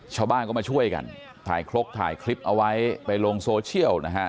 ชาวบ้านก็มาช่วยกันถ่ายคลกถ่ายคลิปเอาไว้ไปลงโซเชียลนะฮะ